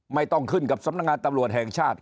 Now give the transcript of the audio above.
ไม่ต้องขึ้นกับสำนักงานตำรวจแห่งชาติ